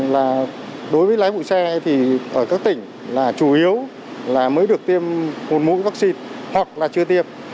là đối với lái bụi xe thì ở các tỉnh là chủ yếu là mới được tiêm một mũi vaccine hoặc là chưa tiêm